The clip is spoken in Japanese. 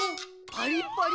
パリッパリ。